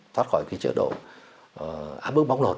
thoát khỏi cái chế độ áp bước bóng lột